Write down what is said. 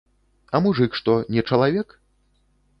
А мужык што, не чалавек?